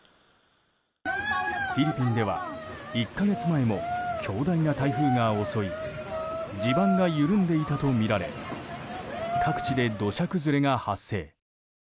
フィリピンでは１か月前も強大な台風が襲い地盤が緩んでいたとみられ各地で土砂崩れが発生。